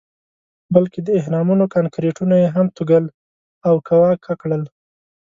بلکې د اهرامونو کانکریټونه یې هم توږل او کاواکه کړل.